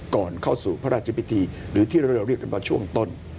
ก่อนเข้าสู่พระราชพิธีหรือที่เราเรียกกันมาช่วงต้น